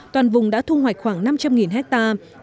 toàn vùng đã thu hoạch khoảng năm trăm linh hectare